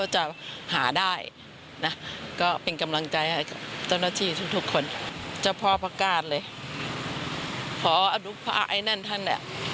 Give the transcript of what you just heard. เจ้าพ่อพระการเลยพออาดุภาคไอ้นั่นท่าน